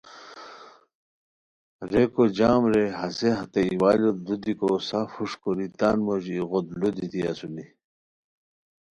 ریکو جام رے ہسے ہتے ایوالیوت لو دیکو سف ہݰ کوری تان موژی ایغوت لو دیتی اسونی